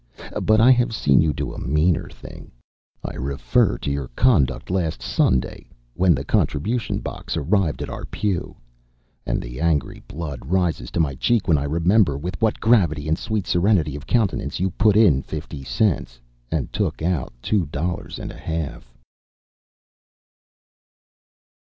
But I have seen you do a meaner thing. I refer to your conduct last Sunday, when the contribution box arrived at our pew and the angry blood rises to my cheek when I remember with what gravity and sweet serenity of countenance you put in fifty cents and took out two dollars and a half....